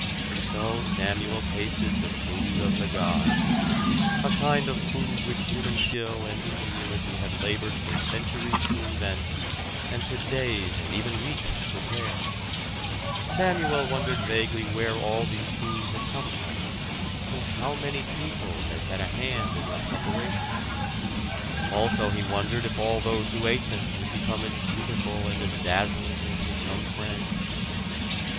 So Samuel tasted the food of the gods; a kind of food which human skill and ingenuity had labored for centuries to invent, and for days and even weeks to prepare. Samuel wondered vaguely where all these foods had come from, and how many people had had a hand in their preparation; also he wondered if all those who ate them would become as beautiful and as dazzling as his young friend.